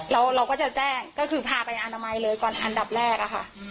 เราก็จะแจ้งก็คือพาไปอนามัยเลยก่อนอันดับแรกอะค่ะ